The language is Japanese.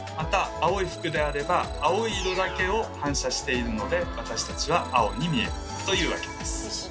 青い服であれば青い色だけを反射しているので私たちは青に見えるというわけです。